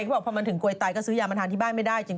เขาบอกพอมันถึงกลวยไตก็ซื้อยามาทานที่บ้านไม่ได้จริง